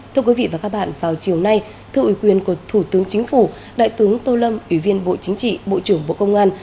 thưa quý vị và các bạn vào chiều nay thư ủy quyền của thủ tướng chính phủ đại tướng tô lâm ủy viên bộ chính trị bộ trưởng bộ công an